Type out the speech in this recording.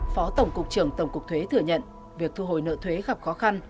phó tổng cục trưởng tổng cục thuế thừa nhận việc thu hồi nợ thuế gặp khó khăn